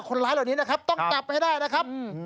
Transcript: คนร้ายเหล่านี้นะครับต้องจับให้ได้นะครับ